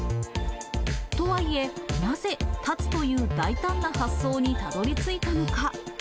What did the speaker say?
とはいえ、なぜ、立つという大胆な発想にたどりついたのか。